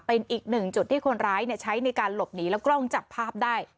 เป็นอีกหนึ่งจุดที่คนร้ายใช้ในการหลบหนีแล้วกล้องจับภาพได้